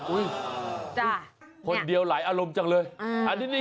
วันนี้แก่เขา